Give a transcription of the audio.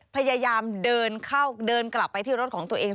พยายามเดินเข้าเดินกลับไปที่รถของตัวเอง